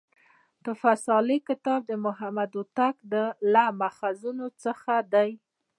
"تحفه صالح کتاب" د محمد هوتک له ماخذونو څخه دﺉ.